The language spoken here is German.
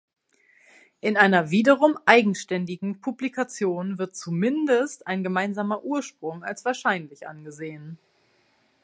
In einer wiederum eigenständigen Publikation wird zumindest ein gemeinsamer Ursprung als wahrscheinlich angesehen.